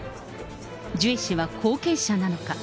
ジュエ氏は後継者なのか。